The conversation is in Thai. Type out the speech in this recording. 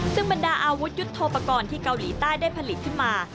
ซึ่งบรรดาอาวุธยุทธโปรกรณ์ที่เกาหลีใต้ได้ผลิตขึ้นมา